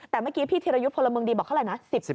แต่เมื่อกี้พี่ธีรยุทธ์พลเมืองดีบอกเท่าไหร่นะ